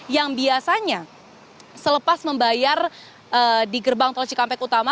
yang biasanya selepas membayar di gerbang tol cikampek utama